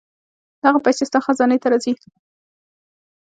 دغه پېسې ستا خزانې ته راځي.